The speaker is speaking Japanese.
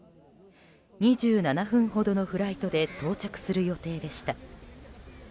２７分ほどのフライトで到着する予定でした。